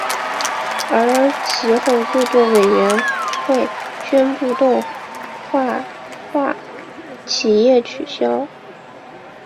而其后制作委员会宣布动画化企划取消。